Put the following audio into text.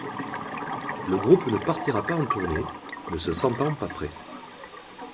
Le groupe ne partira pas en tournée, ne se sentant pas prêt.